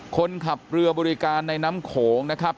คนขับเรือบริการในน้ำโขงนะครับ